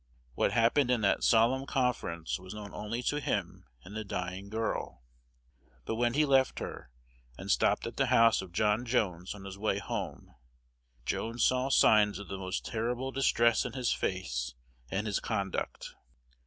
What happened in that solemn conference was known only to him and the dying girl. But when he left her, and stopped at the house of John Jones, on his way home, Jones saw signs of the most terrible distress in his face and his conduct.